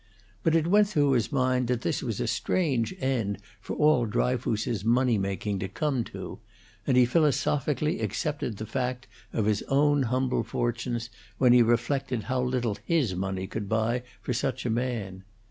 But it went through his mind that this was a strange end for all Dryfoos's money making to come to; and he philosophically accepted the fact of his own humble fortunes when he reflected how little his money could buy for such a man.